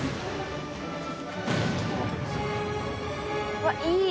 うわっいい！